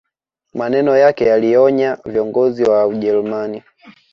Maneno yake yalionya viongozi wa ujerumani